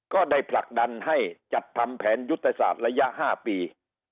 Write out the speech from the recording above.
ก็ได้ผลักดันให้จัดทำแผนยุทธศาสตร์ระยะ๕ปี